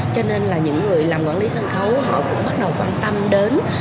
cho nên là những người làm quản lý sân khấu họ cũng bắt đầu quan tâm đến